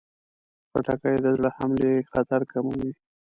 خټکی د زړه حملې خطر کموي.